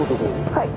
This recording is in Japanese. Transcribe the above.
はい。